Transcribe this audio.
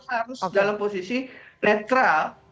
harus dalam posisi netral